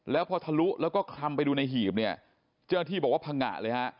แล้วพอทะลุแล้วก็คลำไปดูในหีบเนี่ยเจ้าหน้าที่บอกว่าพังงะเลยฮะ